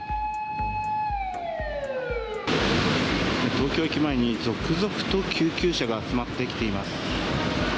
東京駅前に続々と救急車が集まってきています。